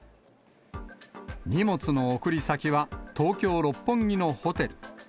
荷物の送り先は東京・六本木のホテル。